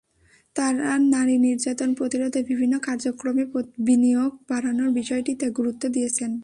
তাঁরা নারী নির্যাতন প্রতিরোধে বিভিন্ন কার্যক্রমে বিনিয়োগ বাড়ানোর বিষয়টিতে গুরুত্ব দিয়েছেন।